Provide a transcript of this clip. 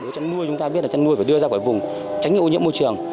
chăn nuôi chúng ta biết là chăn nuôi phải đưa ra khỏi vùng tránh ưu nhiễm môi trường